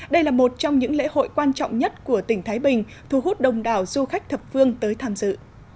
đây là một trong những lễ hội quan trọng nhất của tỉnh thái bình thu hút đông đảo du khách thập phương tới tham dự